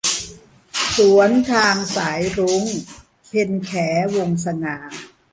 สวนทางสายรุ้ง - เพ็ญแข วงศ์สง่า